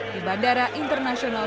di bandara internasional